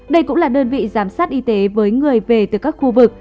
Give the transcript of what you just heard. đây cũng là đơn vị giám sát y tế với người về từ các khu vực